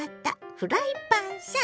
フライパンさん。